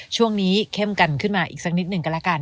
ช่วงนี้เข้มกันขึ้นมาอีกสักนิดหนึ่งก็แล้วกัน